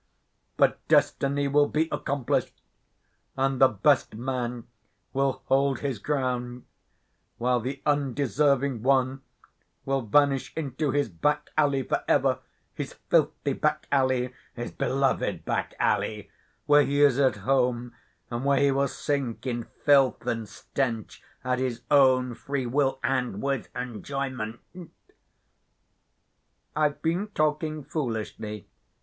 But destiny will be accomplished, and the best man will hold his ground while the undeserving one will vanish into his back‐ alley for ever—his filthy back‐alley, his beloved back‐alley, where he is at home and where he will sink in filth and stench at his own free will and with enjoyment. I've been talking foolishly.